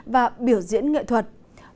và biểu diễn nghệ thuật